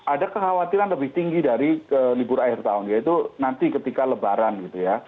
ada kekhawatiran lebih tinggi dari libur akhir tahun yaitu nanti ketika lebaran gitu ya